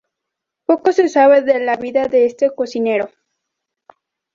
Poco se sabe de la vida de este cocinero.